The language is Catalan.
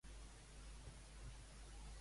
A què motiva Mas a Iglesias?